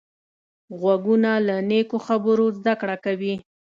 غوږونه له نیکو خبرو زده کړه کوي